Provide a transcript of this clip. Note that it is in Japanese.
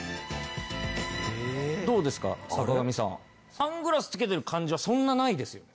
サングラスつけてる感じはそんなないですよね？